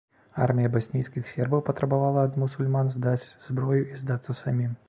Армія баснійскіх сербаў патрабавала ад мусульман здаць зброю і здацца самім.